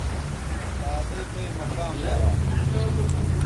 دادئ بئ مہ کام گرا